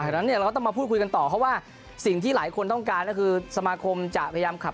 เราก็ต้องมาพูดคุยกันต่อสิ่งที่หลายคนต้องการ